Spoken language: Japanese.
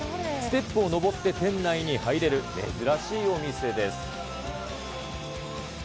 ステップを上って店内に入れる珍しいお店です。